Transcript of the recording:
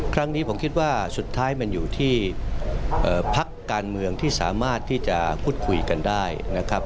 ครั้งนี้ผมคิดว่าสุดท้ายมันอยู่ที่พักการเมืองที่สามารถที่จะพูดคุยกันได้นะครับ